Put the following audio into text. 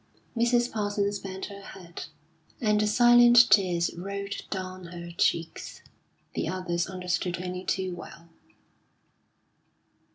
Mrs. Parsons bent her head, and the silent tears rolled down her cheeks. The others understood only too well.